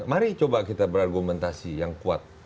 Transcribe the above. mari coba kita berargumentasi yang kuat